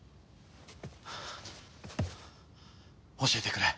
教えてくれ。